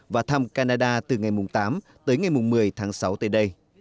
và thăm canada từ ngày tám tới ngày một mươi tháng sáu tới đây